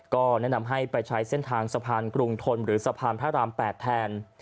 ก็แนะนำให้ไปใช้เส้นทางสะพานกรุงทนหรือสะพานพระราม๘แทน